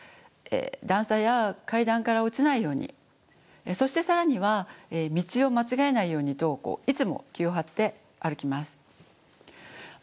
段差や階段から落ちないようにそして更には道を間違えないようにといつも気を張って歩きます。